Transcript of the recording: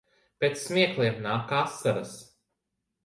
Pēc smiekliem nāk asaras.